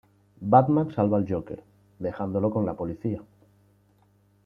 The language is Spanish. Batman salva al Joker, dejándolo con la policía.